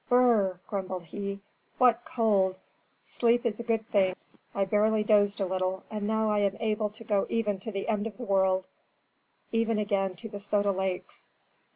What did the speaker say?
"Brr!" grumbled he, "what cold! Sleep is a good thing! I barely dozed a little, and now I am able to go even to the end of the world, even again to the Soda Lakes.